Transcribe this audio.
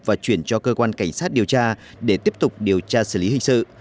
và chuyển cho cơ quan cảnh sát điều tra để tiếp tục điều tra xử lý hình sự